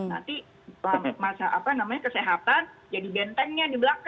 nanti masa apa namanya kesehatan jadi bentengnya di belakang gitu